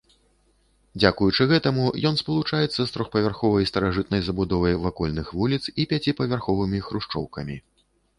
Дзякуючы гэтаму ён спалучаецца з трохпавярховай старажытнай забудовай вакольных вуліц і пяціпавярховымі хрушчоўкамі.